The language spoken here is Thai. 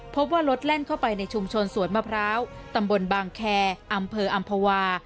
พบว่ารถแล่นเข้าไปในชุมชนสวนมะพร้าวตำบลบางแคร์อำเภออำภาวา